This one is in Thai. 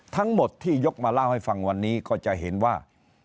ทั้งหมดที่ยกมาเล่าให้ฟังวันนี้ก็จะเห็นว่า